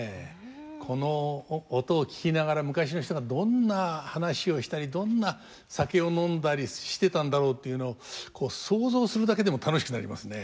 この音を聴きながら昔の人がどんな話をしたりどんな酒を飲んだりしてたんだろうというのを想像するだけでも楽しくなりますね。